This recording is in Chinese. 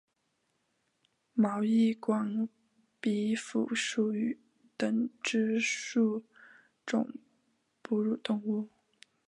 毛翼管鼻蝠属等之数种哺乳动物。